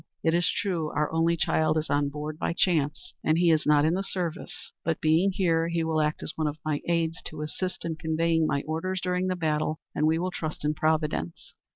It is true our only child is on board by chance, and he is not in the service; but, being here, he will act as one of my aids, to assist in conveying my orders during the battle, and we will trust in Providence."